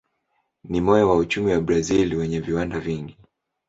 Ni moyo wa uchumi wa Brazil wenye viwanda vingi.